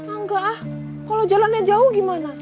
enggak ah kalo jalannya jauh gimana